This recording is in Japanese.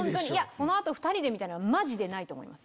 この後２人でみたいのはマジでないと思います。